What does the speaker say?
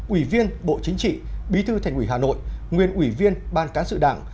ủy viên bộ chính trị bí thư thành ủy hà nội nguyên ủy viên ban cán sự đảng